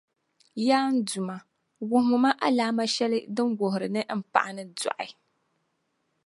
Yaa n Duuma! Wuhimi ma alaama shεli din wuhiri ni m paɣani dɔɣi